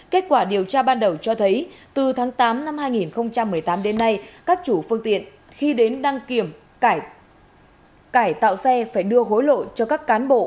kết quả điều tra ban đầu cho thấy từ tháng tám năm hai nghìn một mươi tám đến nay các chủ phương tiện khi đến đăng kiểm cải tạo xe phải đưa hối lộ cho các cán bộ